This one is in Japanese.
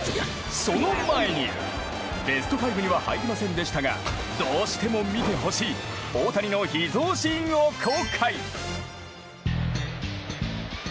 その前に、ベスト５には入りませんでしたがどうしても見てほしい大谷の秘蔵シーンを公開。